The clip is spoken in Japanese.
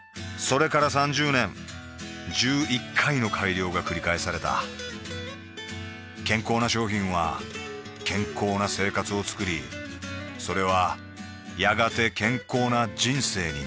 それから３０年１１回の改良がくり返された健康な商品は健康な生活をつくりそれはやがて健康な人生になる